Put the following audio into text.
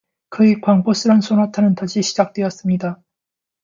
그의 광포스런 소나타는 다시 시작되었습니다.